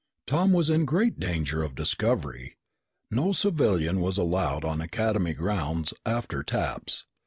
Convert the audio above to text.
Tom was in great danger of discovery. No civilian was allowed on Academy grounds after taps.